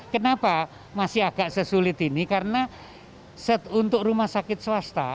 kenapa masih agak sesulit ini karena untuk rumah sakit swasta